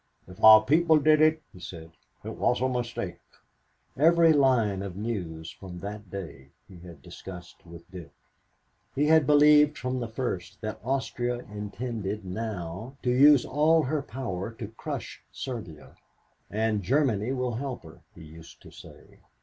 "If our people did it," he said, "it was a mistake." Every line of news from that day he had discussed with Dick. He had believed from the first that Austria intended now to use all her power to crush Serbia; and "Germany will help her," he used to say.